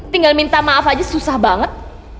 tinggal minta maaf aja susah banget